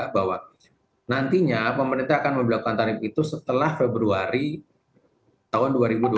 bahwa nantinya pemerintah akan memperlakukan tarif itu setelah februari tahun dua ribu dua puluh